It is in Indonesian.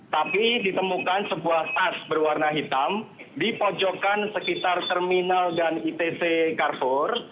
tapi ditemukan sebuah tas berwarna hitam di pojokan sekitar terminal dan itc carrefour